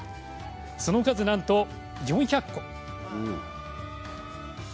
その数なんと４００個。